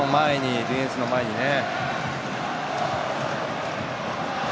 ディフェンスの前にね。